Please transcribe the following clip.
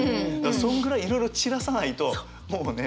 そんぐらいいろいろ散らさないともうね。